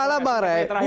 malah bang ray